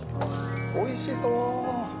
おいしそう。